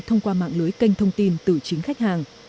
thông qua mạng lưới kênh thông tin từ chính khách hàng